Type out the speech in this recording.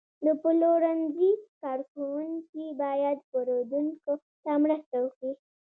د پلورنځي کارکوونکي باید پیرودونکو ته مرسته وکړي.